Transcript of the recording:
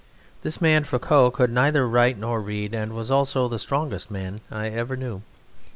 This man Frocot could neither write nor read, and was also the strongest man I ever knew.